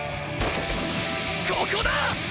ここだ！